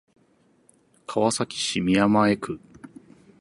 川崎市宮前区